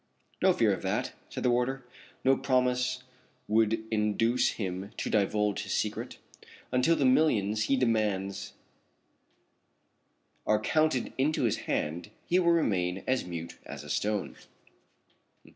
"No fear of that," said the warder. "No promise would induce him to divulge his secret. Until the millions he demands are counted into his hand he will remain as mute as a stone."